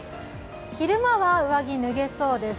昼間は上着、脱げそうです。